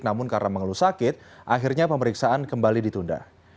namun karena mengeluh sakit akhirnya pemeriksaan kembali ditunda